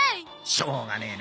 しょうがねえな。